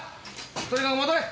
とにかく戻れ。